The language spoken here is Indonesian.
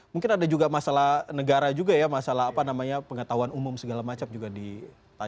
mungkin ada juga masalah negara juga ya masalah apa namanya pengetahuan umum segala macam juga ditanya